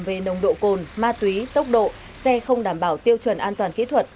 về nồng độ cồn ma túy tốc độ xe không đảm bảo tiêu chuẩn an toàn kỹ thuật